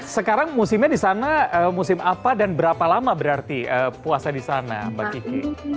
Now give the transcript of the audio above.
sekarang musimnya di sana musim apa dan berapa lama berarti puasa di sana mbak kiki